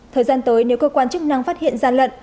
thời gian tới nếu cơ quan chức năng phát hiện gian lận